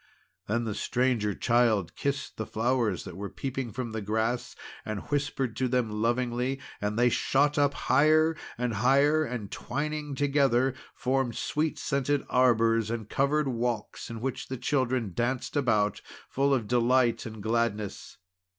Then the Stranger Child kissed the flowers that were peeping from the grass, and whispered to them lovingly, and they shot up higher and higher, and, twining together, formed sweet scented arbours and covered walks in which the children danced about, full of delight and gladness.